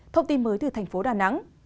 thông tin mới từ thành phố đà nẵng